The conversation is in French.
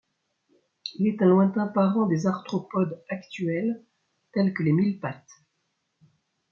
Il est un lointain parent des arthropodes actuels tels que les mille-pattes.